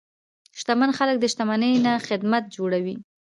شتمن خلک د شتمنۍ نه خدمت جوړوي.